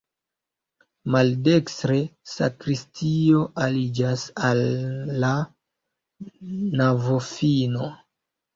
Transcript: Maldekstre sakristio aliĝas al la navofino.